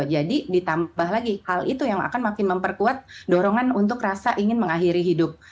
jadi ditambah lagi hal itu yang akan makin memperkuat dorongan untuk rasa ingin mengakhiri hidup